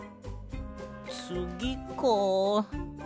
つぎか。